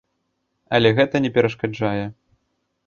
Але гэта не перашкаджае.